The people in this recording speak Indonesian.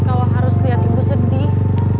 kalau harus lihat ibu sedih